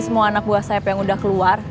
semua anak buah sayap yang udah keluar